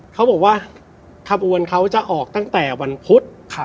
เขาบอกว่าขบวนเขาจะออกตั้งแต่วันพุธ